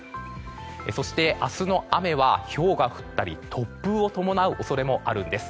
そして、明日の雨はひょうが降ったり突風を伴ったりする恐れがあるんです。